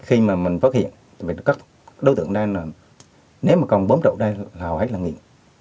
khi mà mình phát hiện vì các đối tượng đang nếu mà còn bấm rượu đây là họ hết là nghiệp